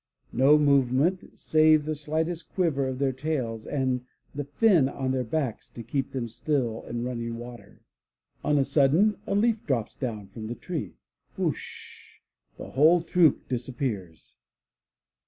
No movement save the slightest quiver of their tails and the fin on their backs to keep them still in running water. On a sudden a leaf drops down from the tree. Whoosh! the whole troop disappears!